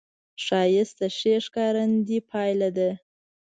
ښایست د ښې ښکارندې پایله ده